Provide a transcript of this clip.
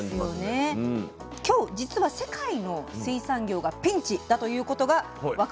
今日実は世界の水産業がピンチだということが分かる